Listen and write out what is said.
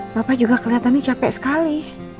papa juga keliatan nih capek sekali